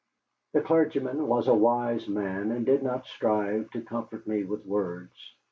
The clergyman was a wise man, and did not strive to comfort me with words.